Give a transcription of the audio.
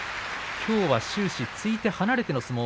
きょうは終始、突いて離れての相撲。